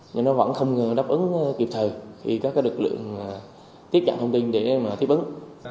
nó vẫn không đáp ứng kịp thời khi các cái lực lượng tiếp nhận thông tin để mà tiếp ứng